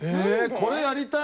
これやりたい！